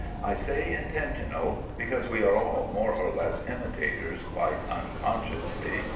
I say "intentional," because we are all more or less imitators quite unconsciously.